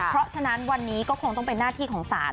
เพราะฉะนั้นวันนี้ก็คงต้องเป็นหน้าที่ของศาล